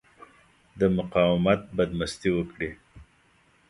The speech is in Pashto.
د مقاومت بدمستي وکړي.